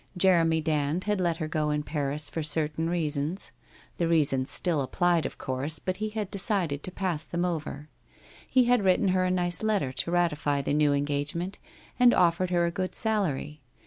Jeremy Dand had let her go in Paris for certain reasons; the reasons still ap plied, of course, but he had decided to pass them over. He had written her a nice letter to ratify the new engage ment and offered her a good salary.